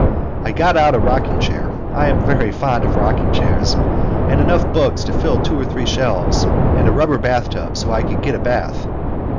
I got out a rocking chair I am very fond of rocking chairs and enough books to fill two or three shelves, and a rubber bathtub so that I could get a bath.